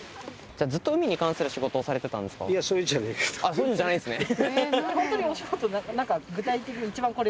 そういうんじゃないんすね。